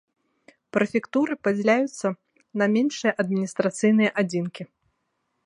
Прэфектуры падзяляюцца на меншыя адміністрацыйныя адзінкі.